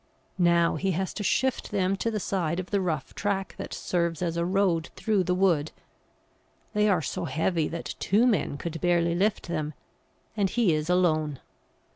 Now he has to shift them to the side of the rough track that serves as a road through the wood. They are so heavy that two men could barely lift them, and he is alone.